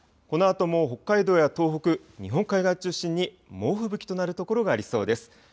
このあとも北海道や東北、日本海側中心に猛吹雪となる所がありそうです。